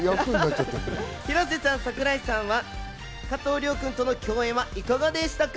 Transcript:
広瀬さん、櫻井さんは加藤諒君との共演はいかがでしたか？